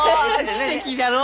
奇跡じゃのう！